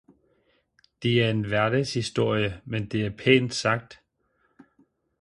Det er en hverdagshistorie men det er pænt sagt